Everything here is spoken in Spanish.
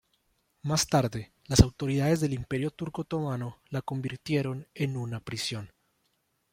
Más tarde, las autoridades del Imperio Turco Otomano la convirtieron en una prisión.